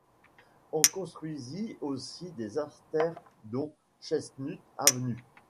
On construisit aussi des artères dont Chestnut Avenue.